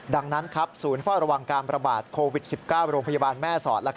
ดังนั้นศูนย์เฝ้าระวังการประบาดโควิด๑๙โรงพยาบาลแม่สอด